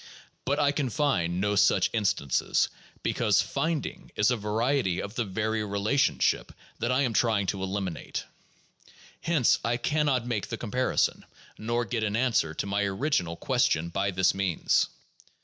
But I can find no such instances, because "find ing" is a variety of the very relationship that I am trying to elimi nate. Hence I can not make the comparison, nor get an answer to my original question by this means.